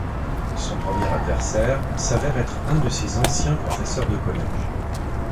Son premier adversaire s'avère être un de ses anciens professeurs de collège.